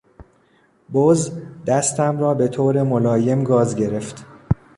بز دستم را به طور ملایم گاز گرفت.